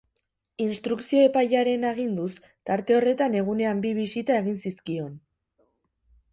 Instrukzio epailearen aginduz, tarte horretan egunean bi bisita egin zizkion.